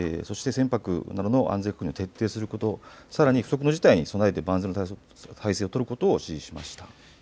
そして船舶などの安全確認を徹底すること、さらに不測の事態に備えて万全の対策を取ることを指示しました。